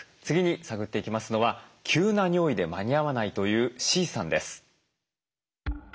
次に探っていきますのは急な尿意で間に合わないというＣさんです。